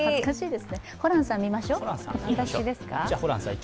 ホランさん、見ましょう。